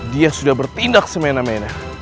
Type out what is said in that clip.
dia sudah bertindak semena mena